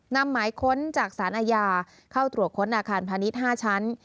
นำหมายค้นจากสารอาญาเข้าตรวจค้นอาคารพาณิชย์๕ชั้น